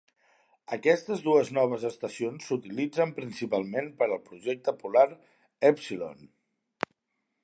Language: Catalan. Aquestes dues noves estacions s"utilitzen principalment per al projecte Polar Epsilon.